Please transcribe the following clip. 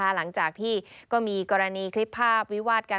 หลังจากที่ก็มีกรณีคลิปภาพวิวาดกัน